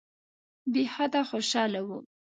بېحده خوشاله وو.